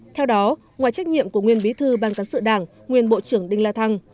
theo đó ngoài trách nhiệm của nguyên bí thư ban cán sự đảng nguyên bộ trưởng đinh la thăng